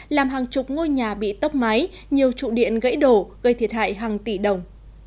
làm hàng chục ngôi nhà bị tốc máy nhiều trụ điện gãy đổ gây thiệt hại hàng tỷ đồng